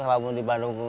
segeri tidak menyenangkan